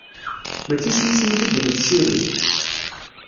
Mačči s yisem-ik i d-nettciri?